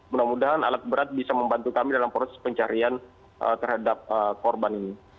mudah mudahan alat berat bisa membantu kami dalam proses pencarian terhadap korban ini